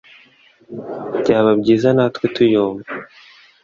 byaba byiza natwe tuyumva